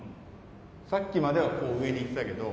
さっきまではこう上に行ってたけど。